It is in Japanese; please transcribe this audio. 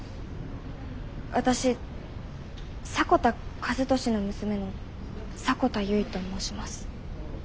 私迫田和俊の娘の迫田結と申します。